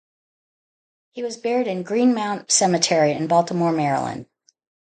He was buried in Green Mount Cemetery in Baltimore, Maryland.